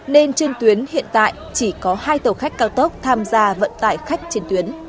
nên trên tuyến hiện tại chỉ có hai tàu khách cao tốc tham gia vận tải khách trên tuyến